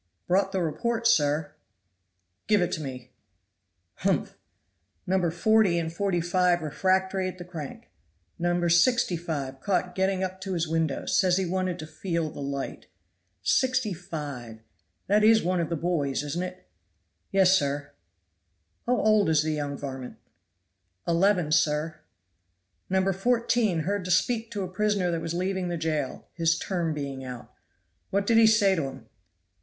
"Brought the report, sir." "Give it to me. Humph! No. 40 and 45 refractory at the crank. No. 65 caught getting up to his window; says he wanted to feel the light. 65 that is one of the boys, isn't it?" "Yes, sir." "How old is the young varmint?" "Eleven, sir." "No. 14 heard to speak to a prisoner that was leaving the jail, his term being out. What did he say to him?"